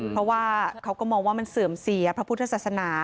เพราะว่าเขาก็มองว่ามันเสื่อมเสียพระพุทธศาสนา